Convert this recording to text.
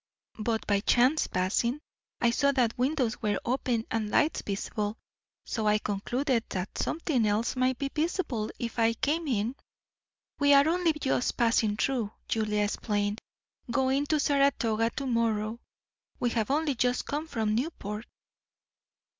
But by chance passing, I saw that windows were open and lights visible, so I concluded that something else might be visible if I came in." "We are only just passing through," Julia explained. "Going to Saratoga to morrow. We have only just come from Newport."